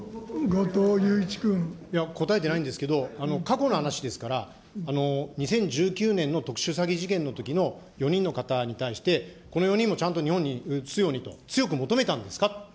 いや、答えてないんですけど、過去の話ですから、２０１９年の特殊詐欺事件のときの４人の方に対して、この４人もちゃんと日本に移すようにと、強く求めたんですかと。